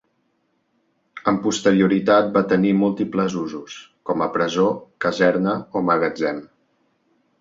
Amb posterioritat va tenir múltiples usos, com a presó, caserna o magatzem.